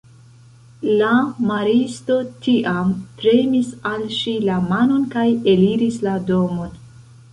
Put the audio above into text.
La maristo tiam premis al ŝi la manon kaj eliris la domon.